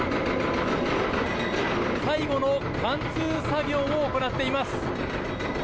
最後の貫通作業を行っています。